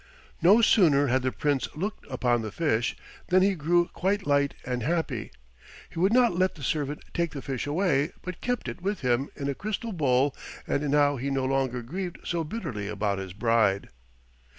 No sooner had the Prince looked upon the fish than he grew quite light and happy. He would not let the servant take the fish away but kept it with him in a crystal bowl and now he no longer grieved so bitterly about his bride.